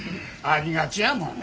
ありがちやもん。